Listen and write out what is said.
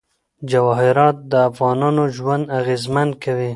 جواهرات د افغانانو ژوند اغېزمن کوي.